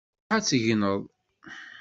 Ṛuḥ ad tegneḍ!